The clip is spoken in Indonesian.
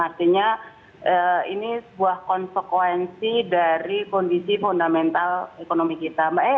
artinya ini sebuah konsekuensi dari kondisi fundamental ekonomi kita